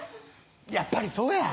やっぱりそうや！